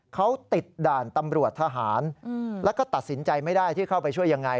เขาติดด่านตำรวจทหารแล้วก็ตัดสินใจไม่ได้ที่เข้าไปช่วยยังไง